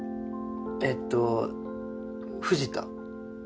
えっと藤田。